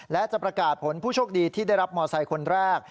และจะประกาศผลผู้โชคดีที่ได้รับมอไซค์คนแรก